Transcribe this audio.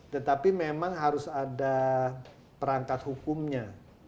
tetapi memang harus ada perangkat hukumnya